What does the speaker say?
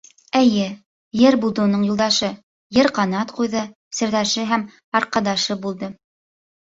Эйе, йыр булды уның юлдашы, йыр ҡанат ҡуйҙы, серҙәше һәм арҡадашы булды.